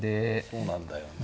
そうなんだよね。